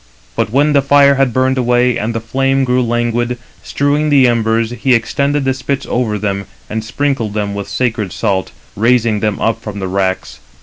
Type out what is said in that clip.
But when the fire had burned away, and the flame grew languid, strewing the embers, he extended the spits over them, and sprinkled them with sacred salt, raising them up from the racks.